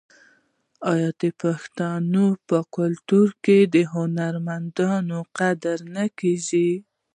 آیا د پښتنو په کلتور کې د هنرمندانو قدر نه کیږي؟